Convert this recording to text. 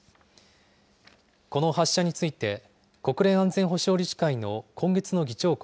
この発射について、国連安全保障理事会の今月の議長国